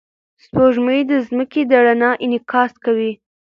سپوږمۍ د ځمکې د رڼا انعکاس کوي.